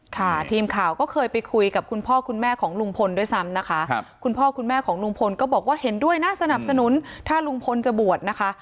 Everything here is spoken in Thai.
ค่ะทีมข่าวก็เคยไปคุยกับคุณพ่อคุณแม่ของลุงพลด้วยซ้ำนะคะคุณพ่อคุณแม่ของลุงพลก็บอกว่าเห็นด้วยนะสนับสนุนถ้าลุงพลจะบวชนะคะ